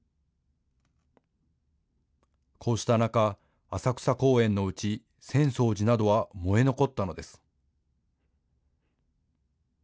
こうした中、浅草公園のうち浅草寺などは燃え残ったのです。